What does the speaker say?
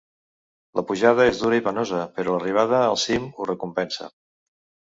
La pujada és dura i penosa, però l'arribada al cim ho recompensa.